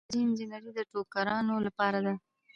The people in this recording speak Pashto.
نساجي انجنیری د ټوکرانو لپاره ده.